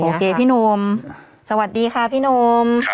โอเคพี่โนมสวัสดีค่ะพี่โนม